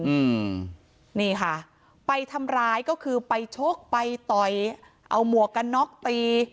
อืมนี่ค่ะไปทำร้ายก็คือไปชกไปต่อยเอาหมวกกันน็อกตี